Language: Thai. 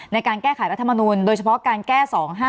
ในการแก้ไขรัฐมนูลโดยเฉพาะการแก้๒๕๖